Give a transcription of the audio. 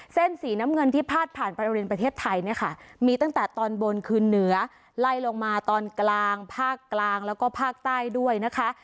เส้นสีน้ำเงินที่พาดผ่านบริเวณประเทศไทยเนี่ยค่ะมีตั้งแต่ตอนบนคือเหนือไล่ลงมาตอนกลางภาคกลางแล้วก็ภาคใต้ด้วยนะคะ